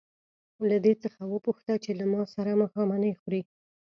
له دې څخه وپوښته چې له ما سره ماښامنۍ خوري.